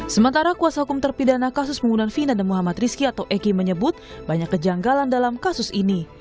sementara kuasa hukum terpidana kasus pembunuhan vina dan muhammad rizky atau eki menyebut banyak kejanggalan dalam kasus ini